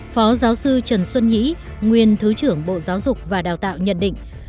phó giáo sư trần xuân nhí nguyên thứ trưởng bộ giáo dục và đào tạo nhận định